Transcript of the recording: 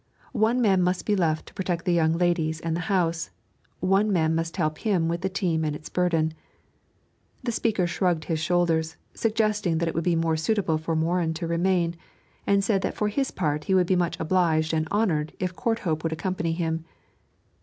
One man must be left to protect the young ladies and the house; one man must help him with the team and its burden. The speaker shrugged his shoulders, suggesting that it would be more suitable for Morin to remain, and said that for his part he would be much obliged and honoured if Courthope would accompany him.